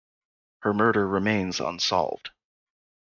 Her murder remains unsolved.